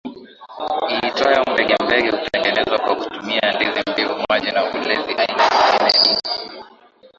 iitwayo mbege Mbege hutengenezwa kwa kutumia ndizi mbivu maji na uleziAina nyingine ni